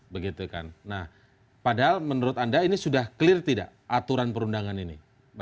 padahal menurut anda ini sudah clear tidak aturan perundangan ini